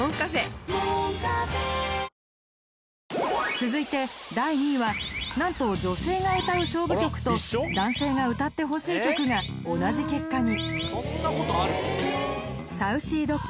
続いて第２位はなんと女性が歌う勝負曲と男性が歌ってほしい曲が同じ結果に